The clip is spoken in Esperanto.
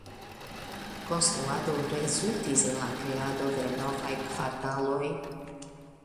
Konstruado rezultis en la kreado de novaj kvartaloj.